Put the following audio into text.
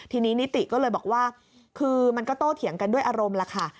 ทีนี้นิติก็เลยบอกว่าคือมันก็โตเถียงกันด้วยอารมณ์แล้วค่ะ